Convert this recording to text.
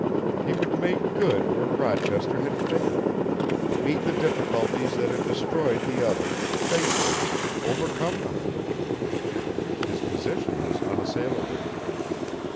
He would make good where Rochester had failed, meet the difficulties that had destroyed the other, face them, overcome them. His position was unassailable.